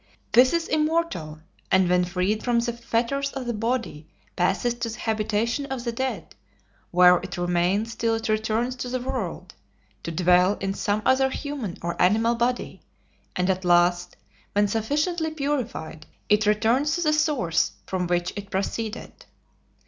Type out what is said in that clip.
This is immortal, and when freed from the fetters of the body passes to the habitation of the dead, where it remains till it returns to the world, to dwell in some other human or animal body, and at last, when sufficiently purified, it returns to the source from which it proceeded.